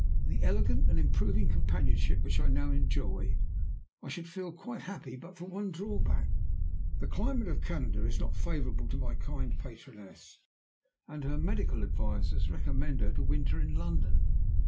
"In the elegant and improving companionship which I now enjoy I should feel quite happy but for one drawback. The climate of Canada is not favorable to my kind patroness, and her medical advisers recommend her to winter in London.